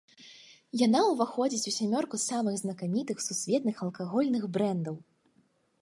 Яна ўваходзіць у сямёрку самых знакамітых сусветных алкагольных брэндаў.